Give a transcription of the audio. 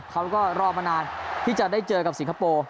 เขาก็รอมานานที่จะได้เจอกับสิงคโปร์